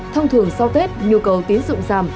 thông thường sau tết nhu cầu tiến dụng giảm